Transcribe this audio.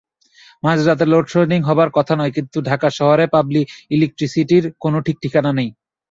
মাঝরাতে লোডশেডিং হবার কথা নয়, কিন্তু ঢাকা শহরের ইলেকট্রিসিটির কোনো ঠিক-ঠিকানা নেই।